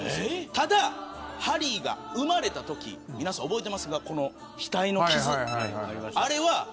ただ、ハリーが生まれたとき覚えていますか皆さん、額の傷。